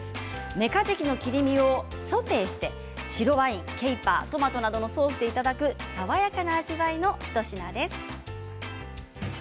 メカジキの切り身をソテーして白ワイン、ケイパー、トマトなどのソースでいただく爽やかな味わいの一品です。